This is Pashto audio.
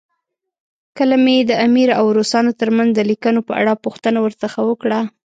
کله مې د امیر او روسانو ترمنځ د لیکونو په اړه پوښتنه ورڅخه وکړه.